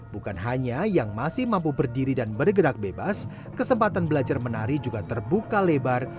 bukan hanya yang masih mampu berdiri dan bergerak bebas kesempatan belajar menari juga terbuka lebar